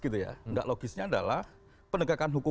tidak logisnya adalah penegakan hukum